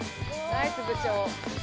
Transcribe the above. ナイス部長。